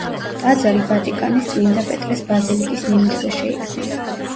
ტაძარი ვატიკანის წმინდა პეტრეს ბაზილიკის ნიმუშზე შეიქმნა.